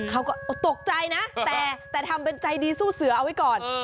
เขาก็ตกใจนะแต่ทำเป็นใจดีสู้เสือเอาไว้ก่อน